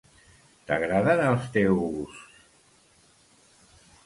T'agraden els teus...?